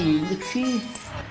ini indek sih